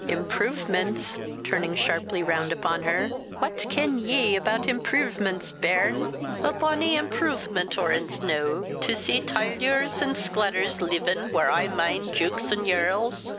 "Impruvements!" turning sharply round upon her; "what ken ye about impruvements, bairn? A bony impruvement or ens no, to see tyleyors and sclaters leavin whar I mind jewks an yerls.